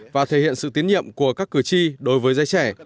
và thể hiện sự tiến nhiệm của các cử tri đối với giới trẻ